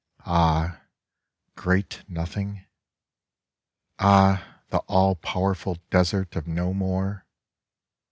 Ah, great Nothing ?• Ah, the all powerful Desert of No More